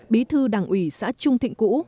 bí thư đảng ủy xã trung thịnh cũ